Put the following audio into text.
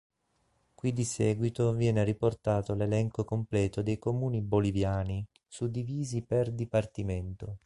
Qui di seguito viene riportato l'elenco completo dei comuni boliviani, suddivisi per dipartimento.